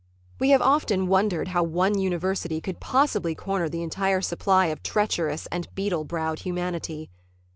We have often wondered how one university could possibly corner the entire supply of treacherous and beetle browed humanity.